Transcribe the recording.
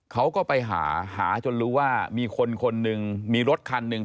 เขาก็ไปหาหาจนรู้ว่ามีคนคนหนึ่งมีรถคันหนึ่ง